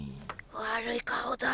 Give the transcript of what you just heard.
悪い顔だ。